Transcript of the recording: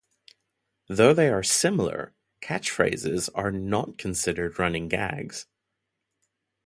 Though they are similar, catchphrases are not considered running gags.